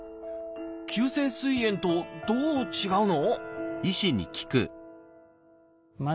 「急性すい炎」とどう違うの？